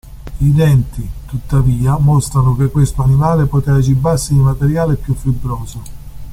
I denti, tuttavia, mostrano che questo animale poteva cibarsi di materiale più fibroso.